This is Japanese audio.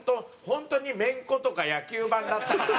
本当にめんことか野球盤だったから。